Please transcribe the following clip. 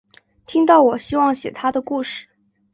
听到我希望写她的故事